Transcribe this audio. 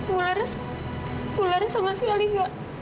bularas bularas sama sekali nggak